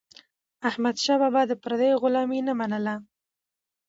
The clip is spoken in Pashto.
احمدشاه بابا د پردیو غلامي نه منله.